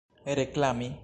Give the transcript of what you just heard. reklami